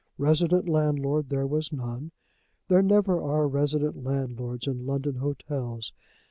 Resident landlord there was none. There never are resident landlords in London hotels.